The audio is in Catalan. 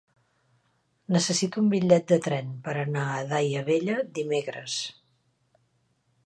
Necessito un bitllet de tren per anar a Daia Vella dimecres.